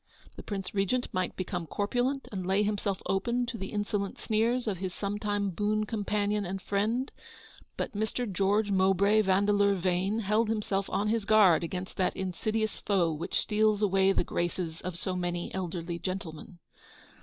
The Prince Regent might become corpulent, and lay himself open to the insolent sneers of his sometime boon companion and friend; but Mr. George Mowbray Yandeleur Vane held himself on his guard against that insidious foe which steals away the graces of so many elderly gentlemen.